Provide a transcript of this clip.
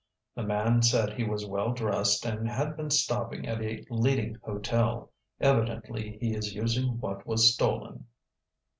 The man said he was well dressed and had been stopping at a leading hotel. Evidently he is using what was stolen."